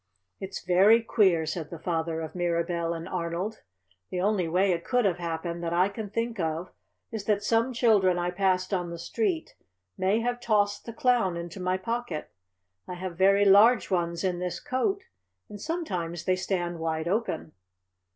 "It's very queer," said the father of Mirabell and Arnold. "The only way it could have happened that I can think of is that some children I passed on the street may have tossed the Clown into my pocket. I have very large ones in this coat, and sometimes they stand wide open."